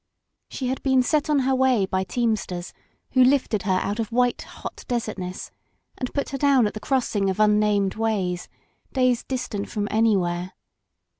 She had been set on her way by team sters who hfted her out of white, hot desertness and put her down at the crossing of unnamed ways, days distant from anywhere.